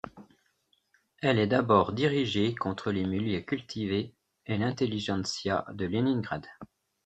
Elle est d'abord dirigée contre les milieux cultivés et l'intelligentsia de Léningrad.